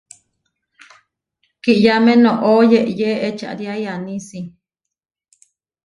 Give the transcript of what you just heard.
Kiʼyáme noʼó yeyé ečariái anísi.